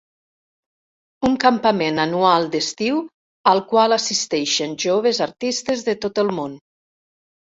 Un campament anual d'estiu al qual assisteixen joves artistes de tot el món.